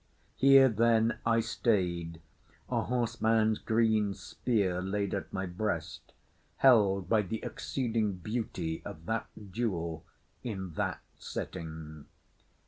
Here, then, I stayed; a horseman's green spear laid at my breast; held by the exceeding beauty of that jewel in that setting.